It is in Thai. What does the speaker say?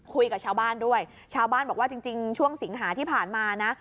คุยกับชาวบ้านด้วยชาวบ้านบอกว่าจริงช่วงสิงหาที่ผ่านมานะ